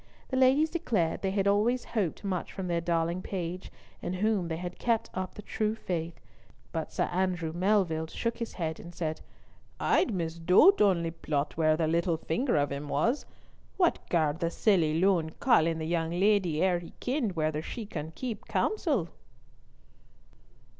The ladies declared they had always hoped much from their darling page, in whom they had kept up the true faith, but Sir Andrew Melville shook his head and said: "I'd misdoot ony plot where the little finger of him was. What garred the silly loon call in the young leddy ere he kenned whether she wad keep counsel?"